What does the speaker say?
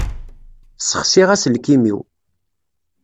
Ssexsiɣ aselkim-iw.